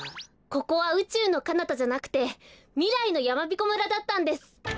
ここはうちゅうのかなたじゃなくてみらいのやまびこ村だったんです。